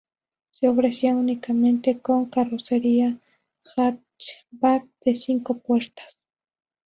Se ofrecía únicamente con carrocería hatchback de cinco puertas.